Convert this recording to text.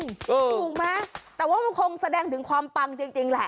ถูกไหมแต่ว่ามันคงแสดงถึงความปังจริงแหละ